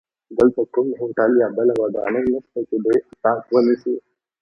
دلته کوم هوټل یا بله ودانۍ نشته چې دوی اتاق ونیسي.